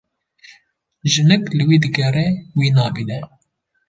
Jinik li wî digere wî nabîne.